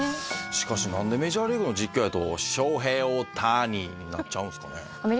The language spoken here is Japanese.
しかしなんでメジャーリーグの実況やと「ショウヘイオオターニ」になっちゃうんですかね？